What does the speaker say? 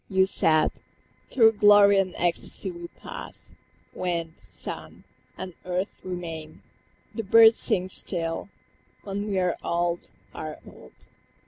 You said, "Through glory and ecstasy we pass; Wind, sun, and earth remain, the birds sing still, When we are old, are old.